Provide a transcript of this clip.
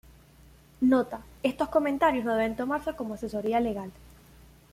Nota.- Estos comentarios no debe tomarse como asesoría legal.